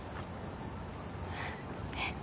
えっ。